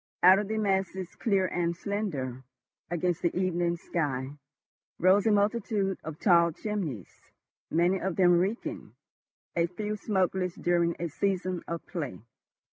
Out of the masses, clear and slender against the evening sky, rose a multitude of tall chimneys, many of them reeking, a few smokeless during a season of "play."